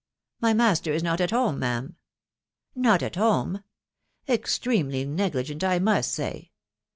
" My master is not at home, ma'am." <c Not at home ?,.,. Extremely negligent, I must say.